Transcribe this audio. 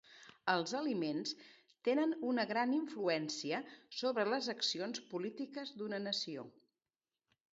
Els aliments tenen una gran influència sobre les accions polítiques d'una nació.